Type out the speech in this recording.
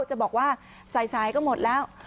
จะบอกว่าสายก็หมดแล้ว